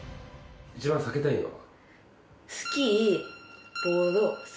一番避けたいのは？